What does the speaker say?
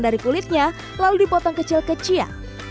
dari kulitnya lalu dipotong kecil kecil